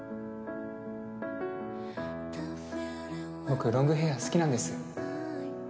僕、ロングヘア好きなんです。